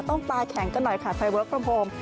ต้องตายแข็งกันหน่อยค่ะไฟเวิร์กประโมง